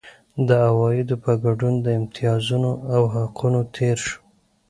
د عوایدو په ګډون له امتیازونو او حقونو تېر شو.